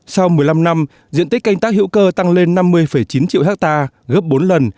sau một mươi năm năm diện tích canh tác hữu cơ tăng lên năm mươi chín triệu hectare gấp bốn lần